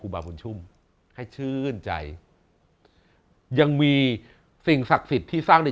บาบุญชุ่มให้ชื่นใจยังมีสิ่งศักดิ์สิทธิ์ที่สร้างใน